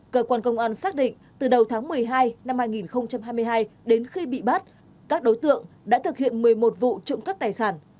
cơ quan công an xác định từ đầu tháng một mươi hai năm hai nghìn hai mươi hai đến khi bị bắt các đối tượng đã thực hiện một mươi một vụ trộm cắp tài sản